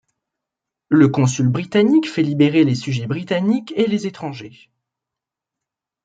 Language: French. Le consul britannique fait libérer les sujets britanniques et les étrangers.